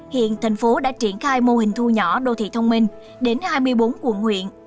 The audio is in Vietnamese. hiện thành phố đã triển khai mô hình thu nhỏ đô thị thông minh đến hai mươi bốn quận huyện